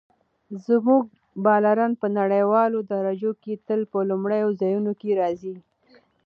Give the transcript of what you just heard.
زموږ بالران په نړیوالو درجو کې تل په لومړیو ځایونو کې راځي.